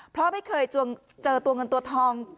เพราะไม่เคยเจอตัวเงินตัวทอง